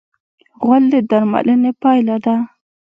غول د درملنې پایله ده.